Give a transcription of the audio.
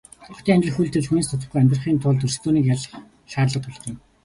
Хотын амьдралд хөл тавьж хүнээс дутахгүй амьдрахын тулд өрсөлдөөнийг ялах шаардлага тулгарна.